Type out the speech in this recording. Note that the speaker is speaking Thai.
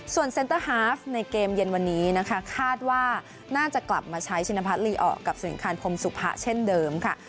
ส่วนเซ็นเตอร์ฮาฟในเกมเย็นวันนี้นะคะคาดว่าน่าจะกลับมาใช้ชินพัฒนลีออกกับสริงคารพรมสุพะเช่นเดิมค่ะ